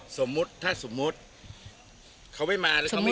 สมมุติถ้าสมมุติเขาไม่มาแล้วเขาไม่